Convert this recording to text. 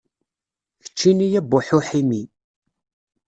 Keččini a Buḥu Ḥimi.